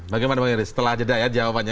bagaimana bang yoris setelah jeda ya jawabannya